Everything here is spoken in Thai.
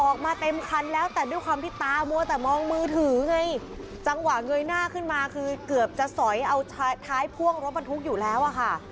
ออกมาเต็มคันแล้วแต่ด้วยความที่ตามัวแต่มองมือถือไงจังหวะเงยหน้าขึ้นมาคือเกือบจะสอยเอาท้ายพ่วงรถบรรทุกอยู่แล้วอะค่ะ